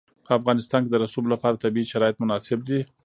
په افغانستان کې د رسوب لپاره طبیعي شرایط مناسب دي.